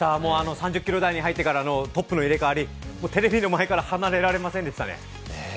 ３０ｋｍ台に入ってからのトップの入れ代わり、テレビの前から離れられませんでしたね。